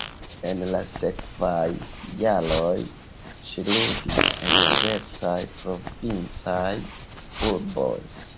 En la sekvaj jaroj ŝi ludis en diversaj provincaj urboj.